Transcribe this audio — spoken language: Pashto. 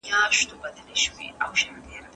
موږ باید د ټولنې چلند ته ځیر شو.